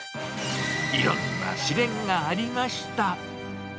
いろんな試練がありました。